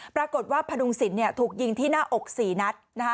ปรากฏว่าพดุงศิลปถูกยิงที่หน้าอก๔นัด